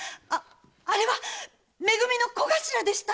あれはめ組の小頭でした！